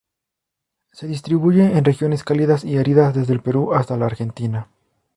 Se distribuye en regiones cálidas y áridas desde el Perú hasta la Argentina.